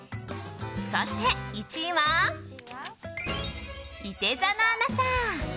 そして１位は、いて座のあなた。